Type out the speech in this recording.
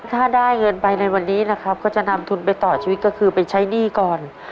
ถ้าได้เงินไปในวันนี้นะครับก็จะนำทุนไปต่อชีวิตก็คือไปใช้หนี้ก่อน